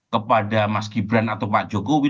kepada mas gibran atau pak jokowi